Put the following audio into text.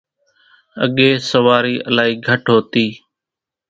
اڳيَ سوارِي الائِي گھٽ هوتِي۔